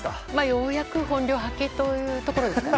ようやく本領発揮というところですかね。